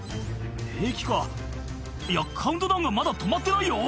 平気かいやカウントダウンがまだ止まってないよ